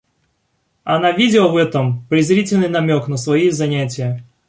Она видела в этом презрительный намек на свои занятия.